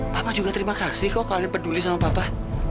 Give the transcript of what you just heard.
bapak juga terima kasih kok kalian peduli sama papa